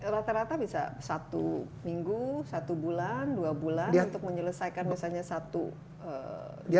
rata rata bisa satu minggu satu bulan dua bulan untuk menyelesaikan misalnya satu jam